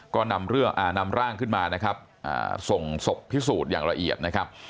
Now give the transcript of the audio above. ก็นำร่างขึ้นมานะครับส่งศพพิสูจน์อย่างละเอียดนะครับ